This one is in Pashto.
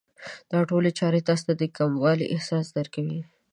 دا ټولې چارې تاسې ته د کموالي احساس درکوي.